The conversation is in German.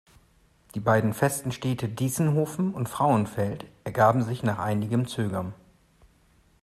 Die beiden festen Städte Diessenhofen und Frauenfeld ergaben sich nach einigem Zögern.